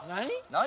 何？